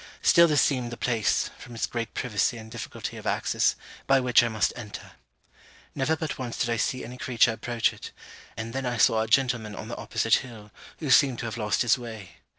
Still this seemed the place, from its great privacy and difficulty of access, by which I must enter. Never but once did I see any creature approach it; and then I saw a gentleman on the opposite hill, who seemed to have lost his way.